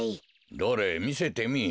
どれみせてみい。